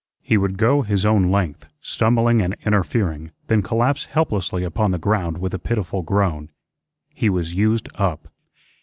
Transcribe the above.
He would go his own length, stumbling and interfering, then collapse helplessly upon the ground with a pitiful groan. He was used up.